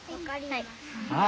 はい。